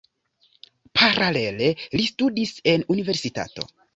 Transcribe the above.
Paralele li studis en universitato.